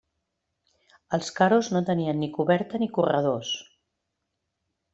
Els caros no tenien ni coberta ni corredors.